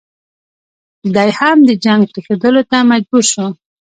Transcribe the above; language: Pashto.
دی هم د جنګ پرېښودلو ته مجبور شو.